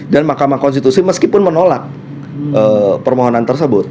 dan mahkamah konstitusi meskipun menolak permohonan tersebut